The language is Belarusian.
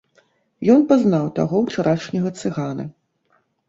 Ён пазнаў таго ўчарашняга цыгана.